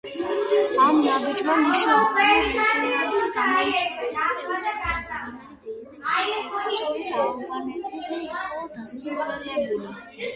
ამ ნაბიჯმა მნიშვნელოვანი რეზონანსი გამოიწვია იმ ტერიტორიებზე, რომლებიც ეთნიკური ალბანელებით იყო დასახლებული.